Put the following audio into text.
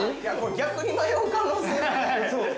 ◆逆に迷う可能性が。